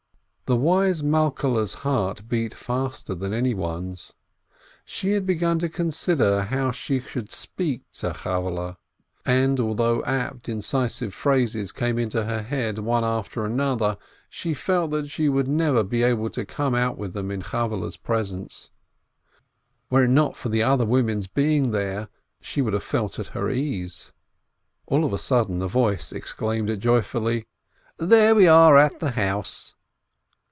The wise Malkehle's heart beat faster than anyone's. She had begun to consider how she should speak to Chavvehle, and although apt, incisive phrases came into her head, one after another, she felt that she would never be able to come out with them in Chavvehle's presence ; were it not for the other women's being there, she would have felt at her ease. All of a sudden a voice exclaimed joyfully, "There we are at the house